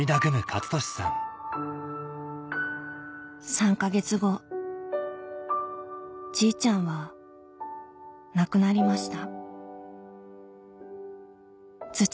３か月後じいちゃんは亡くなりました